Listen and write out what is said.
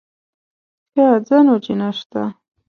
ښه ځه نو چې نه شته.